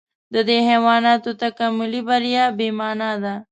د دې حیواناتو تکاملي بریا بې مانا ده.